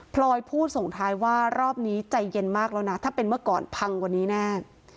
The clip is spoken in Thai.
ลอยพูดส่งท้ายว่ารอบนี้ใจเย็นมากแล้วนะถ้าเป็นเมื่อก่อนพังกว่านี้แน่